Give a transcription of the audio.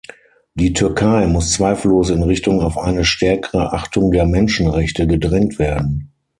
Die Türkei muss zweifellos in Richtung auf eine stärkere Achtung der Menschenrechte gedrängt werden.